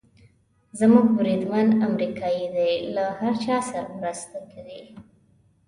زموږ بریدمن امریکایي دی، له هر چا سره مرسته کوي.